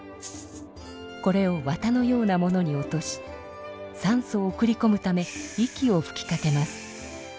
これをわたのようなものに落としさんそを送りこむため息をふきかけます。